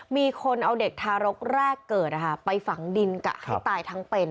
มีคนเอาเด็กทารกแรกเกิดไปฝังดินกะให้ตายทั้งเป็น